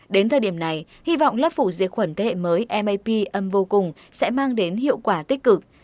đến thời điểm này hy vọng lớp phủ diệt khuẩn thế hệ mới map âm vô cùng sẽ mang đến hiệu quả tích cực